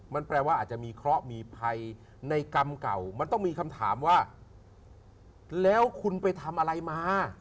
มันแปลว่าอาจจะมีเคราะห์มีภัยในกรรมเก่ามันต้องมีคำถามว่าแล้วคุณไปทำอะไรมา